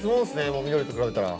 もう緑と比べたら